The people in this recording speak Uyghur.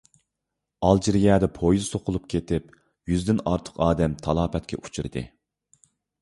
ئالجىرىيەدە پويىز سوقۇلۇپ كېتىپ، يۈزدىن ئارتۇق ئادەم تالاپەتكە ئۇچرىدى.